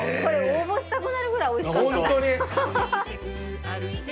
応募したくなるぐらいおいしかった。